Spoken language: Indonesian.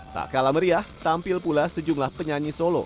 tak kalah meriah tampil pula sejumlah penyanyi solo